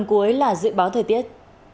phần cuối là dự báo thời tiết